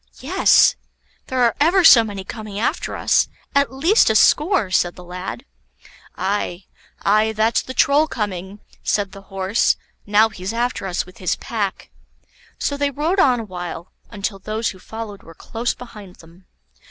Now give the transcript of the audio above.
"Yes; there are ever so many coming after us, at least a score," said the lad. "Aye, aye, that's the Troll coming," said the Horse; "now he's after us with his pack." So they rode on a while, until those who followed were close behind them.